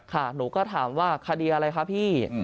หนูก็ถามว่าคดีอะไรคะพี่